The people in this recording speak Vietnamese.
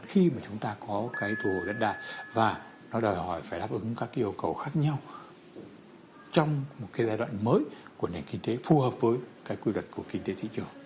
khi mà chúng ta có cái thu hồi đất đai và nó đòi hỏi phải đáp ứng các yêu cầu khác nhau trong một cái giai đoạn mới của nền kinh tế phù hợp với cái quy luật của kinh tế thị trường